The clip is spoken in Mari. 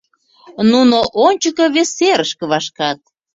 Нуно ончыко, вес серышке вашкат.